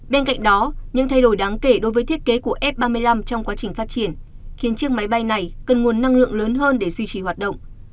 bên cạnh đó những thay đổi đáng kể đối với thiết kế của f ba mươi năm trong quá trình phát triển khiến chiếc máy bay này cần nguồn năng lượng lớn hơn để duy trì hoạt động